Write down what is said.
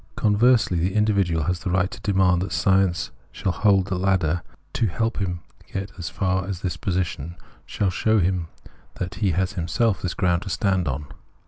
Conversely the individual has the right to demand that science shall hold the ladder to help him to get at least as far as this position, shall show him that he has in himself this ground to stand on.